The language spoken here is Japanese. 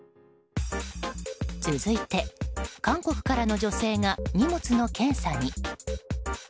続いて、韓国からの女性が荷物の検査に。